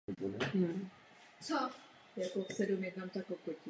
V celé této otázce musíme zachovat solidaritu mezi členskými státy.